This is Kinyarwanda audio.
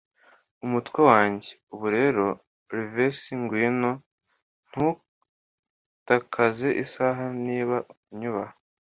umutwe wanjye. Ubu rero, Livesey, ngwino; ntutakaze isaha, niba unyubaha.